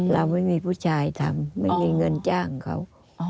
เราไม่มีผู้ชายทำไม่มีเงินจ้างเขา